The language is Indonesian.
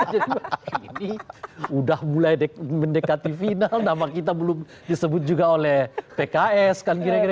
ini udah mulai mendekati final nama kita belum disebut juga oleh pks kan kira kira